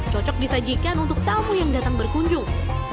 cocok disajikan untuk tamu yang datang berkunjung